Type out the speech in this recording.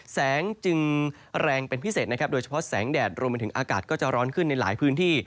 แสงจึงแรงเป็นพิเศษนะครับโดยเฉพาะแสงแดดรวมไปถึงอากาศก็จะร้อนขึ้นในหลายพื้นที่